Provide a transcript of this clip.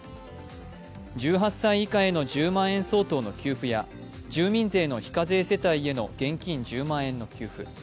１８歳以下への１０万円相当の給付や住民税の非課税世帯への現金１０万円の給付。